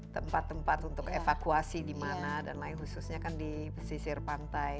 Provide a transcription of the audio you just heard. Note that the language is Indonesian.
tempat tempat untuk evakuasi di mana dan lain khususnya kan di pesisir pantai